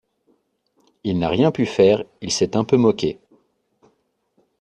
Il n'a rien pu faire, il s'est un peu moqué.